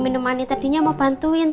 minuman tadi mau bantuin